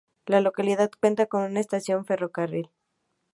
La localidad cuenta con una estación de ferrocarril.